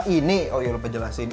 ini oh iya lupa jelasin